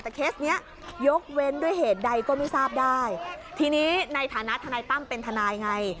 แต่เคสเนี้ยยกเว้นด้วยเหตุใดก็ไม่ทราบได้ทีนี้ในฐานะทนายตั้มเป็นทนายไง